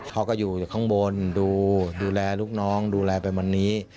เขาก็อยู่ข้างบนดูแลลูกน้องดูแลไปวันนี้